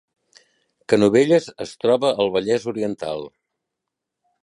Canovelles es troba al Vallès Oriental